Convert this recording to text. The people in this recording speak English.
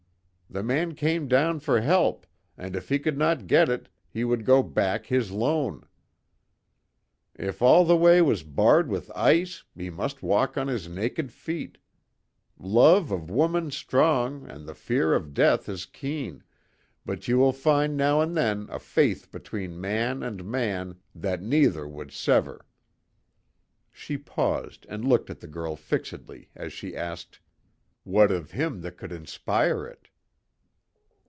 The man came down for help, and if he could not get it, he would go back his lone; if all the way was barred with ice and he must walk on his naked feet. Love of woman's strong and the fear of death is keen, but ye will find now and then a faith between man and man that neither would sever." She paused and looked at the girl fixedly as she asked: "What of him that could inspire it?"